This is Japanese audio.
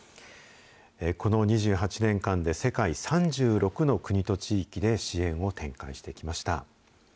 この２８年間で、世界３６の国と地域で支援を展開してきました。